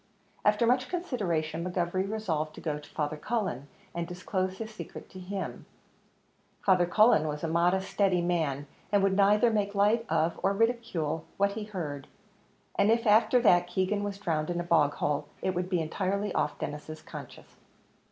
After much consideration, McGovery resolved to go to Father Cullen, and disclose his secret to him; Father Cullen was a modest, steady man, who would neither make light of, or ridicule what he heard; and if after that Keegan was drowned in a bog hole, it would be entirely off Denis's conscience.